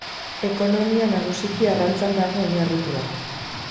Ekonomia nagusiki arrantzan dago oinarritua.